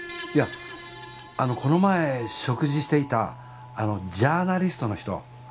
いやこの前食事していたジャーナリストの人